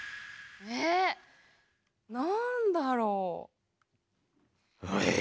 えなんだろう？